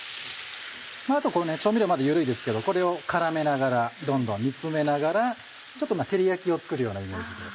あとは調味料まだ緩いですけどこれを絡めながらどんどん煮詰めながら照り焼きを作るようなイメージで。